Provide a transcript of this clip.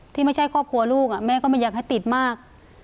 ที่ไม่ใช่ครอบครัวลูกแม่ก็ไม่อยากให้ติดมาก